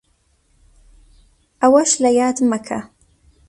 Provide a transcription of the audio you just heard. ئەوەش لەیاد مەکە